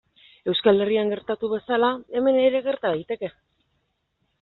Euskal Herrian gertatu bezala, hemen ere gerta daiteke.